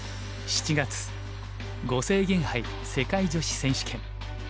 ７月呉清源杯世界女子選手権。